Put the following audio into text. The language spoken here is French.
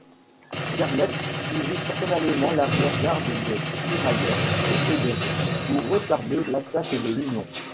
Garnett dirige personnellement l'arrière garde des tirailleurs confédérés pour retarder l'attaque de l'Union.